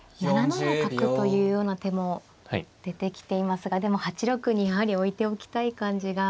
７七角というような手も出てきていますがでも８六にやはり置いておきたい感じが。